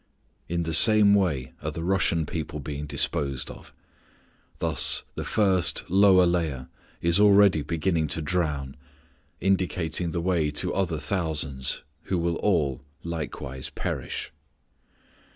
In the same way are the Russian people being disposed of. Thus the first lower layer is already beginning to drown, indicating the way to other thousands, who will all likewise perish.